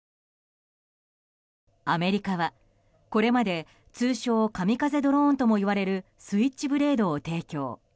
アメリカは、これまで通称・神風ドローンともいわれるスイッチブレードを提供。